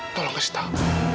tolong kasih tau